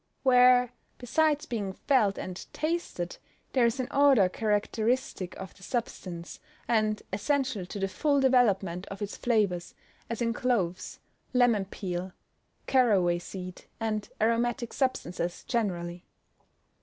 Where, besides being felt and tasted, there is an odour characteristic of the substance, and essential to the full development of its flavours, as in cloves, lemon peel, caraway seed, and aromatic substances generally.